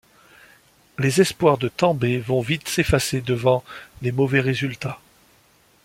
Les espoirs de Tambay vont vite s'effacer devant les mauvais résultats.